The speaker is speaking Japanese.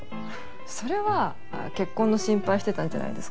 それは結婚の心配してたんじゃないですか？